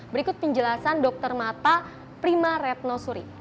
berikut penjelasan dr mata prima retnosuri